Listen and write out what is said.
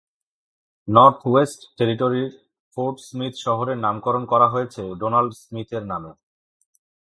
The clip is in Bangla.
নর্থওয়েস্ট টেরিটরির ফোর্ট স্মিথ শহরের নামকরণ করা হয়েছে ডোনাল্ড স্মিথের নামে।